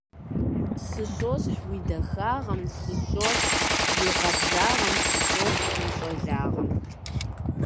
Сыщосхь уи дахагъэм, сыщосхь уи къабзагъэм, сыщосхь уи щӀалагъэм.